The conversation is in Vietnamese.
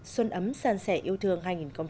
xuân ấm san sẻ yêu thương hai nghìn một mươi tám